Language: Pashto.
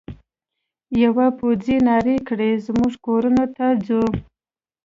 یوه پوځي نارې کړې: موږ کورونو ته ځو.